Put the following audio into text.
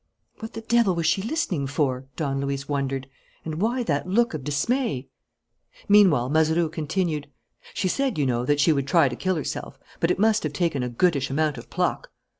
"What the devil was she listening for?" Don Luis wondered. "And why that look of dismay?" Meanwhile, Mazeroux continued: "She said, you know, that she would try to kill herself. But it must have taken a goodish amount of pluck."